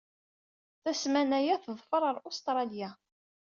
Tasmanya teḍfer ɣer Ustṛalya.